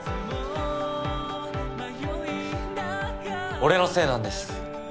俺のせいなんです。